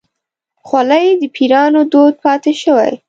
خولۍ د پيرانو دود پاتې شوی.